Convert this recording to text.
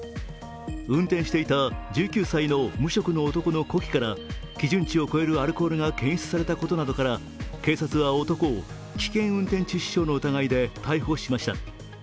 運転していた１９歳の無職の男の呼気から基準値を超えるアルコールが検出されたことなどから警察は男を危険運転致死傷の疑いで逮捕しました。